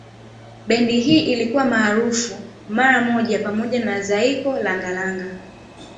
Bendi hii ilikuwa maarufu mara moja pamoja na Zaiko Langa Langa